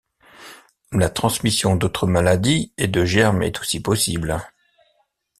La transmission d'autres maladies et de germes est aussi possible.